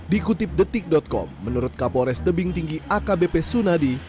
dikutip detik com menurut kapolres tebing tinggi akbp sunadi